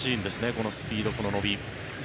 このスピード、この伸び。